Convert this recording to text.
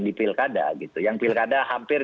di pilkada gitu yang pilkada hampir